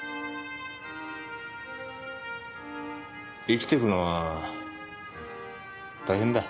生きてくのは大変だ。